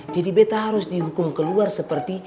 jadi betta harus dihukum keluar seperti